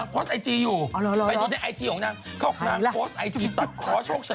คนที่รู้ดีที่สุดคือพี่เมี่ยล